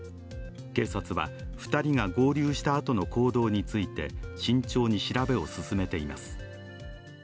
警察は、２人が合流したあとの行動について慎重に調べを進めています。